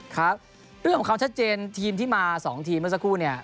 ครับเรื่องของความชัดเจนทีมที่มา๒ทีมเมื่อสักครู่เนี่ย